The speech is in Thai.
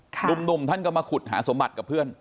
หนุ่มท่านก็มาขุดหาสมบัติกับเพื่อน